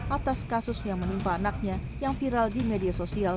atas kasus yang menimpa anaknya yang viral di media sosial